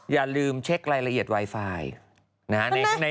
อย่าลืมเช็ครายละเอียดไวไฟนะฮะ